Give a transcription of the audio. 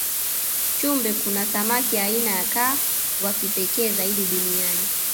chumbe kuna samaki aina ya kaa wakipekee zaidi duniani